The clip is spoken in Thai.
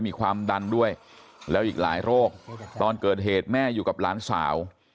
มีความดันด้วยแล้วอีกหลายโรคตอนเกิดเหตุแม่อยู่กับหลานสาว